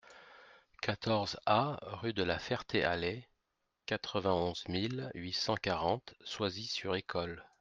quatorze A rue de la Ferté-Alais, quatre-vingt-onze mille huit cent quarante Soisy-sur-École